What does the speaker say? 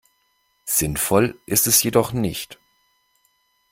Sinnvoll ist es jedoch nicht.